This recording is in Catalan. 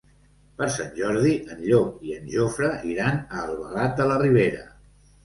Per Sant Jordi en Llop i en Jofre iran a Albalat de la Ribera.